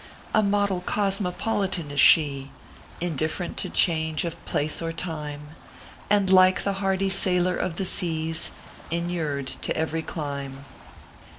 A model cosmopolitan is she, Indifferent to change of place or time; And, like the hardy sailor of the seas, Inured to every climb.